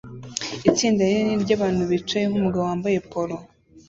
Itsinda rinini ryabantu bicaye nkumugabo wambaye polo